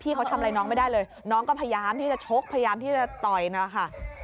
เขาทำอะไรน้องไม่ได้เลยน้องก็พยายามที่จะชกพยายามที่จะต่อยนะคะ